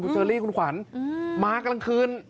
เชอรี่คุณขวัญมากลางคืน